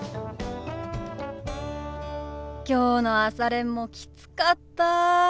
きょうの朝練もきつかった。